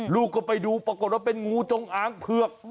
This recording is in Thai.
ลูกก็ไปดูปรากฏว่าเป็นงูจงอางเผือก